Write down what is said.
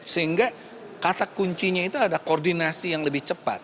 sehingga kata kuncinya itu ada koordinasi yang lebih cepat